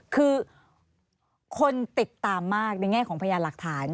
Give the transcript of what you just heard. คือคนติดตามมากในแง่ของพยานหลักฐาน